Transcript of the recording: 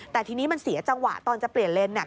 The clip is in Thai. แต่ทีนี้มันเสียจังหวะตอนจะเปลี่ยนเลนส์เนี่ย